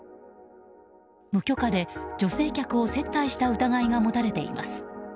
無許可で女性客を接待した疑いが持たれています。